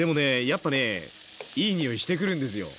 やっぱねえいい匂いしてくるんですよ